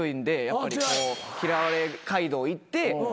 やっぱり嫌われ街道行って。